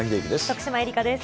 徳島えりかです。